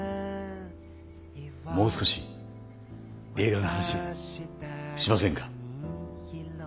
もう少し映画の話しませんか。